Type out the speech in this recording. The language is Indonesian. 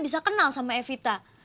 saya masih masih